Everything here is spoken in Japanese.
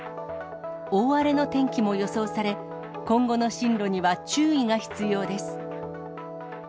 大荒れの天気も予想され、今後の進路には注意が必要です。